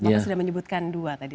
bapak sudah menyebutkan dua tadi